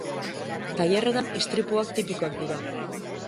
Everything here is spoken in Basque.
Tailerretan istripuak tipikoak dira.